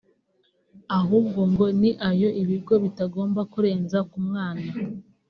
ahubwo ngo ni ayo ibigo bitagomba kurenza ku mwana